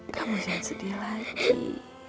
kamu jangan sedih lagi